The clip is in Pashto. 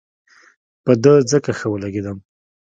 په ده ځکه ښه ولګېدم.